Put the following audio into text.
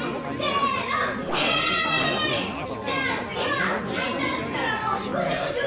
じゃあつぎはハイタッチからのこちょこちょ！